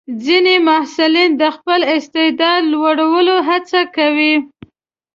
ځینې محصلین د خپل استعداد لوړولو هڅه کوي.